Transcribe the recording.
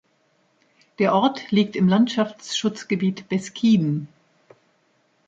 Der Ort liegt im Landschaftsschutzgebiet Beskiden.